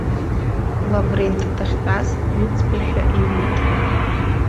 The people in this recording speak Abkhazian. Лаврент дахьтәаз дҩыҵԥашәа иуит.